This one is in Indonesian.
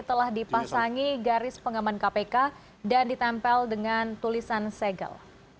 telah dipasangi garis pengaman kpk dan ditempel dengan tulisan segel